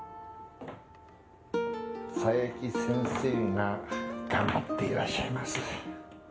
佐伯先生が頑張っていらっしゃいます。